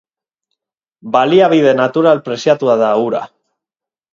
Baliabide natural preziatua da ura.